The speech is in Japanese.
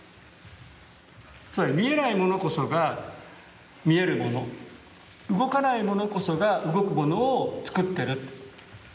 つまり見えないものこそが見えるもの動かないものこそが動くものをつくってる。